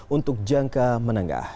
untuk jangka menengah